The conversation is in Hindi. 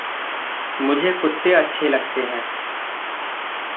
मुझे कुत्ते अच्छे लगते हैं।